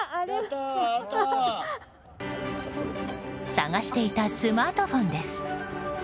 探していたスマートフォンです。